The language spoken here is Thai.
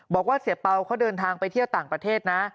บอกว่าเสียเปล่าเขาเดินทางไปเที่ยวต่างประเทศนะ